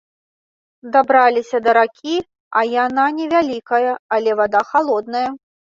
Дабраліся да ракі, а яна не вялікая, але вада халодная.